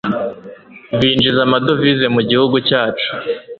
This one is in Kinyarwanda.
Binjiza amadovize mu Gihugu cyacu